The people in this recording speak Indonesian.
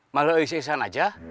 malah isi isi aja